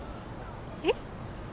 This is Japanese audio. えっ。